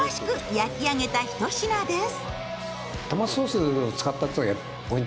焼き上げた一品です。